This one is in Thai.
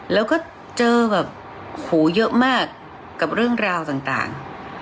แล้วก็เจอแบบหูเยอะมากกับเรื่องราวต่าง